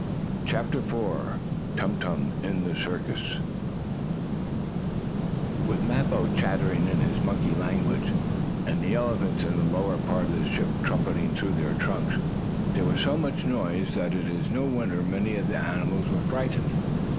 CHAPTER IV TUM TUM IN THE CIRCUS With Mappo chattering in his monkey language, and the elephants in the lower part of the ship trumpeting through their trunks, there was so much noise, that it is no wonder many of the animals were frightened.